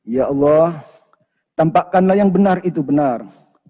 ya allah tampakkanlah yang benar itu benar